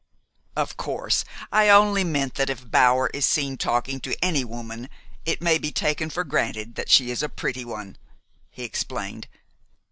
"Of course, I only meant that if Bower is seen talking to any woman, it may be taken for granted that she is a pretty one," he explained.